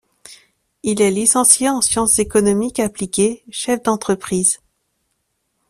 Il est licencié en sciences économiques appliquées; chef d'entreprise.